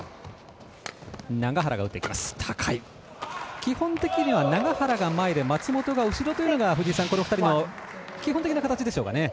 基本的には永原が前で松本が後ろというのがこの２人の基本的な形でしょうか。